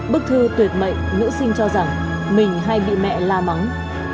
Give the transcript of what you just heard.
bức thư tuyệt mệnh nữ sinh cho rằng mình hay bị mẹ la mắng